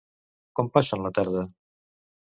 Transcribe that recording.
Com passen la tarda?